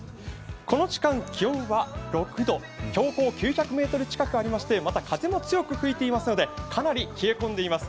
この時間気温は６度、標高９００ｍ近くありましてまた風も強く吹いていますのでかなり冷え込んでいます。